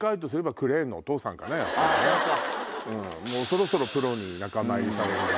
そろそろプロに仲間入りされる。